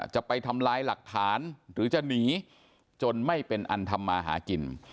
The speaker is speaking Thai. จะไปทำลายหลักฐานหรือจะหนีจนไม่เป็นอันทำมาหากิน